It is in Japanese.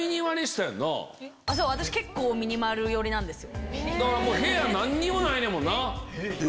私結構ミニマル寄りなんですよ。